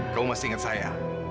kamu masih ingat saya